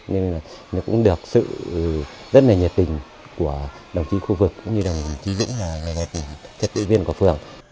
nên là nó cũng được sự rất là nhiệt tình của đồng chí khu vực cũng như đồng chí dũng là người trật tự viên của phường